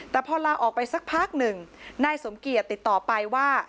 แต่พอลาออกไปสักพักหนึ่งนายสมเกียจติดต่อไปว่า